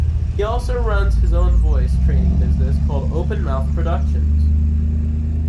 He also runs his own voice training business called Open Mouth Productions.